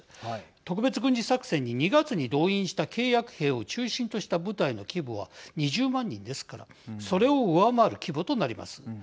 特別軍事作戦に２月に動員した契約兵を中心とした部隊の規模は２０万人ですからそれを上回る規模となります。